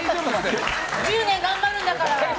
１０年頑張るんだから！